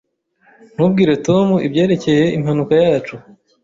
Ntubwire Tom ibyerekeye impanuka yacu.